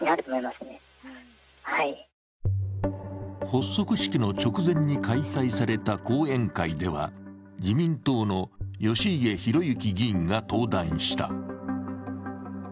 発足式の直前に開催された講演会では自民党の義家弘介議員が登壇した。